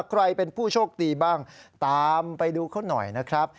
ใครเป็นผู้โชคดีบ้างตามไปดูเขาหน่อยนะครับ